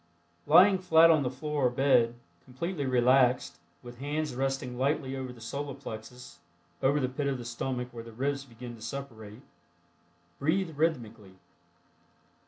Lying flat on the floor or bed, completely relaxed, with hands resting lightly over the Solar Plexus (over the pit of the stomach, where the ribs begin to separate), breathe rhythmically.